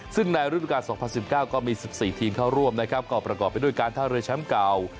ซึ่งในฤดูการ๒๐๑๙ก็มี๑๔ทีมเข้าร่วมนะครับก็ประกอบไปด้วยการท่าเรือแชมป์เก่า